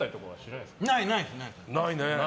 ないね。